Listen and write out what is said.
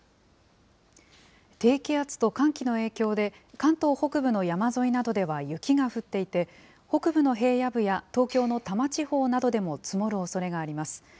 低気圧と寒気の影響で、関東北部の山沿いなどでは雪が降っていて、北部の平野部や東京の多摩地方などでも積もるおそれがあります。